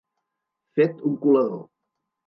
Fet un colador.